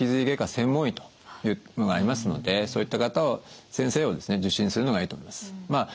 外科専門医というのがありますのでそういった先生をですね受診するのがいいと思います。